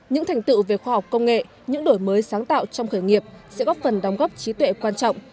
những thành tựu về khoa học công nghệ những đổi mới sáng tạo trong khởi nghiệp sẽ góp phần đóng góp trí tuệ quan trọng